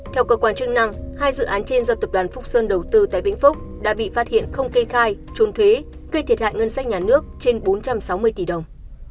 theo cơ quan chức năng hai dự án trên do tập đoàn phúc sơn đầu tư tại vĩnh phúc đã bị phát hiện không kê khai trôn thuế gây thiệt hại ngân sách nhà nước trên bốn trăm sáu mươi tỷ đồng